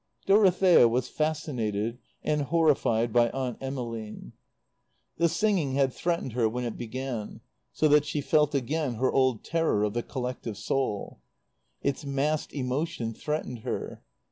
Dorothea was fascinated and horrified by Aunt Emmeline. The singing had threatened her when it began; so that she felt again her old terror of the collective soul. Its massed emotion threatened her.